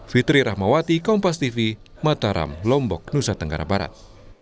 fitri rahmawati kompas tv mataram lombok nusa tenggara barat